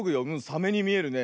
サメにみえるね。